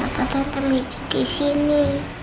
kenapa teman teman ci disini